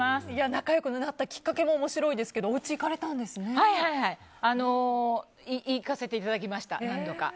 仲良くなったきっかけも面白いですけど行かせていただきました何度か。